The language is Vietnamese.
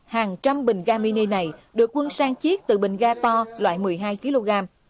hàng trăm bình ga mini này được quân sang chiết từ bình ga to loại một mươi hai kg